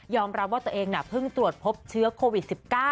รับว่าตัวเองเพิ่งตรวจพบเชื้อโควิด๑๙